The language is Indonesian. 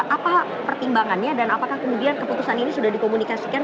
apa pertimbangannya dan apakah kemudian keputusan ini sudah dikomunikasikan